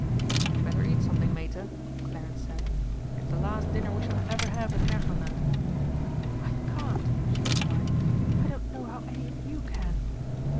"You'd better eat something, Mater," Clarence said. "It's the last dinner we shall ever have in Märchenland." "I can't," she replied, "I don't know how any of you can....